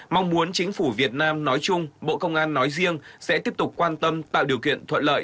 mong muốn chính phủ việt nam nói chung bộ công an nói riêng sẽ tiếp tục quan tâm tạo điều kiện thuận lợi